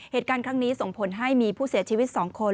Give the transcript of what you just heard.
เหตุการณ์ครั้งนี้ส่งผลให้มีผู้เสียชีวิต๒คน